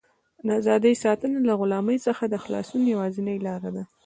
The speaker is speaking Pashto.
د ازادۍ ساتنه له غلامۍ څخه د خلاصون یوازینۍ لاره ده.